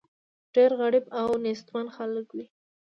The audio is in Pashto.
ډېر غریب او نېستمن خلک وي.